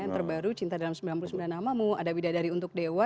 terbaru cinta dalam sembilan puluh sembilan namamu ada widah dari untuk dewa